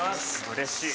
うれしい。